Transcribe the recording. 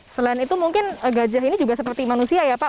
selain itu mungkin gajah ini juga seperti manusia ya pak